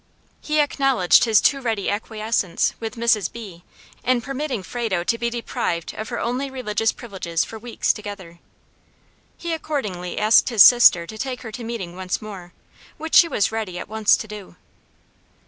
He acknowledged his too ready acquiescence with Mrs. B., in permitting Frado to be deprived of her only religious privileges for weeks together. He accordingly asked his sister to take her to meeting once more, which she was ready at once to do.